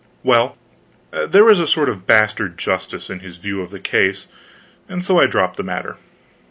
Well, there was a sort of bastard justice in his view of the case, and so I dropped the matter.